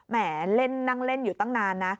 แหมเล่นนั่งเล่นอยู่ตั้งนานนะ